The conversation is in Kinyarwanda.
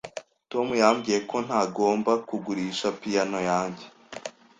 Tom yambwiye ko ntagomba kugurisha piyano yanjye.